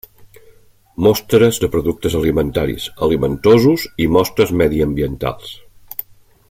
Mostres de productes alimentaris, alimentosos i mostres mediambientals.